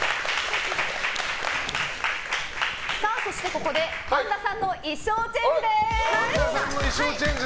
ここで神田さんの衣装チェンジです！